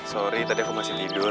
sorry tadi aku masih tidur